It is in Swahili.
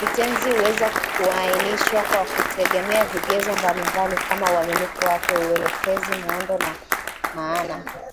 Vitenzi huweza kuainishwa kwa kutegemea vigezo mbalimbali kama uamilifu wake, uelekezi, muundo na maana